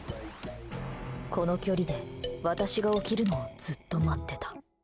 この距離で私が起きるのをずっと待ってた。